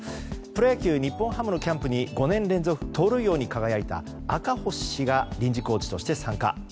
プロ野球日本ハムのキャンプに５年連続の盗塁王に輝いた赤星氏が臨時コーチとして参加。